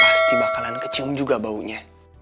pasti bakalan kecium juga baunya